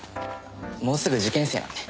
もうすぐ受験生なんで。